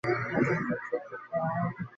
বাটনটা চেপে দাও।